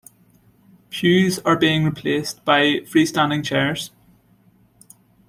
Pews are being replaced by free-standing chairs.